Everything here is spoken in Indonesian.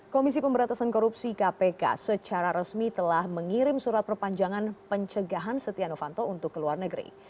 komisi pemberantasan korupsi kpk secara resmi telah mengirim surat perpanjangan pencegahan setia novanto untuk ke luar negeri